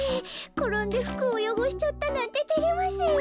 ころんでふくをよごしちゃったなんててれますよ。